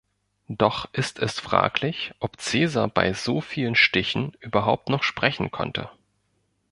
Doch ist es fraglich, ob Caesar bei so vielen Stichen überhaupt noch sprechen konnte.